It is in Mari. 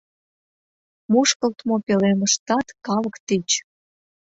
Мушкылтмо пӧлемыштат калык тич.